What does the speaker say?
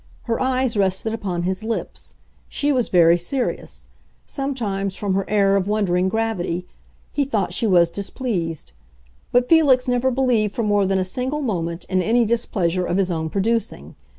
Her eyes rested upon his lips; she was very serious; sometimes, from her air of wondering gravity, he thought she was displeased. But Felix never believed for more than a single moment in any displeasure of his own producing.